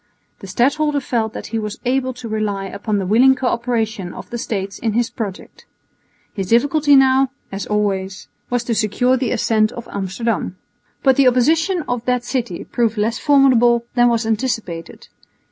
The stadholder felt that he was able to rely upon the willing co operation of the States in his project. His difficulty now, as always, was to secure the assent of Amsterdam. But the opposition of that city proved less formidable than was anticipated.